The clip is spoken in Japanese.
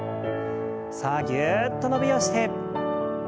さあぎゅっと伸びをして。